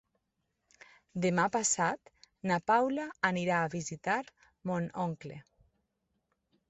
Demà passat na Paula irà a visitar mon oncle.